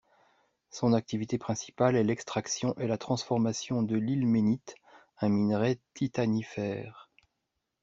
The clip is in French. Son activité principale est l'extraction et la transformation de l'ilménite, un minerai titanifère.